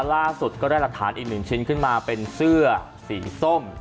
ล่าสุดก็ได้หลักฐานอีกหนึ่งชิ้นขึ้นมาเป็นเสื้อสีส้ม